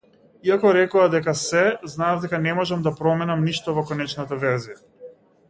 Иако рекоа дека се, знаев дека не можам да променам ништо во конечната верзија.